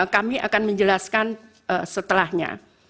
kami akan menjelaskan setelahnya